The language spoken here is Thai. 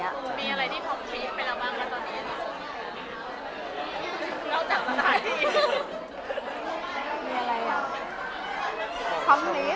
มีอะไรที่ทอมทรีตไปแล้วบ้างนะตอนนี้